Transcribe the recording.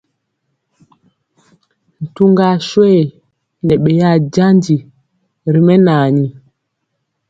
Ntugaswe nɛ ɓeyaa janji ri mɛnaani.